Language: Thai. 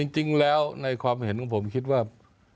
จริงแล้วในความเห็นของผมคิดว่า